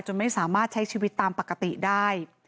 ไม่สามารถใช้ชีวิตตามปกติได้